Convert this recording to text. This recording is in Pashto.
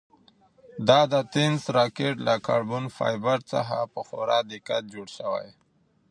دا د تېنس راکټ له کاربن فایبر څخه په خورا دقت جوړ شوی.